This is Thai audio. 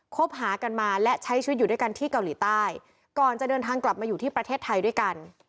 คบหากันมาและใช้ชีวิตอยู่ด้วยกันที่เกาหลีใต้ก่อนจะเดินทางกลับมาอยู่ที่ประเทศไทยด้วยกัน